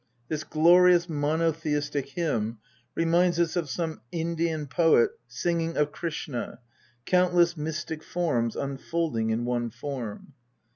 This glorious monotheistic hymn reminds us of some Indian poet singing of Krishna, " countless mystic forms unfolding in one Form."